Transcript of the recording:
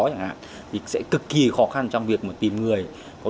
thì sẽ cực kỳ khó khăn trong việc tìm người